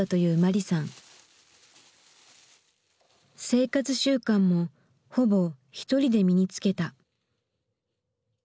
生活習慣もほぼひとりで身につけた。